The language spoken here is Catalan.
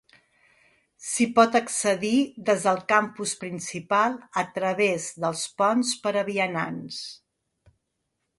S'hi pot accedir des del campus principal a través dels ponts per a vianants.